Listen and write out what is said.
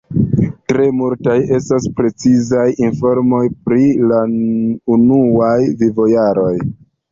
Tre malmultaj estas precizaj informoj pri la unuaj vivojaroj.